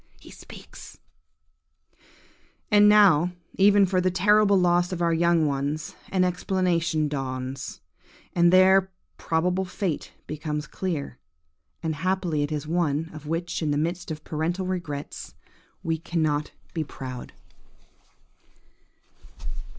He speaks– "And now, even for the terrible loss of our young ones, an explanation dawns, and their probable fate becomes clear; and happily it is one, of which, in the midst of parental regrets, we cannot but be proud.